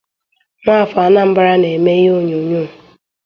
nwa afọ Anambra na-eme ihe onyonyo